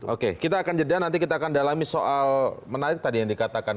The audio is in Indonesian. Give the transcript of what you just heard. oke kita akan jeda nanti kita akan dalami soal menarik tadi yang dikatakan